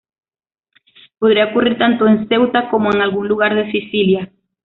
Podría ocurrir tanto en Ceuta como en algún lugar de Sicilia.